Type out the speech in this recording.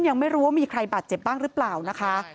ยังไม่รู้ว่ามีใครบาดเจ็บบ้างหรือเปล่านะคะ